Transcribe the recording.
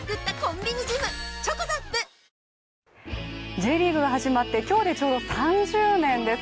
Ｊリーグが始まって、今日でちょうど３０年です。